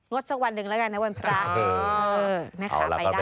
งดสักวันหนึ่งแล้วกันนะวันพระ